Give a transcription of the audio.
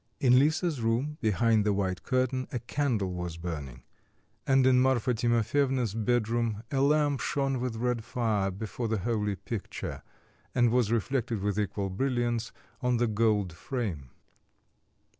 In Lisa's room behind the white curtain a candle was burning, and in Marfa Timofyevna's bedroom a lamp shone with red fire before the holy picture, and was reflected with equal brilliance on the gold frame.